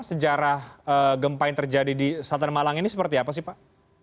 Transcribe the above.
sejarah gempa yang terjadi di selatan malang ini seperti apa sih pak